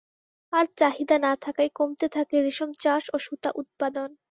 আর চাহিদা না থাকায় কমতে থাকে রেশম চাষ ও সুতা উৎপাদন।